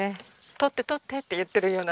採って採ってって言ってるような。